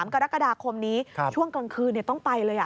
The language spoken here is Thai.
กรกฎาคมนี้ช่วงกลางคืนต้องไปเลย